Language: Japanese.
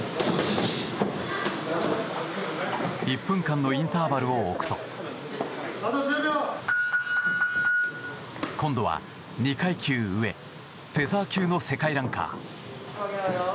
１分間のインターバルを置くと今度は２階級上フェザー級の世界ランカー。